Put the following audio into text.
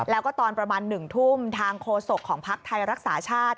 แล้วก็ตอนประมาณ๑ทุ่มทางโฆษกของพักไทยรักษาชาติ